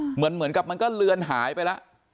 เหมือนกับมันก็เลือนหายไปแล้ว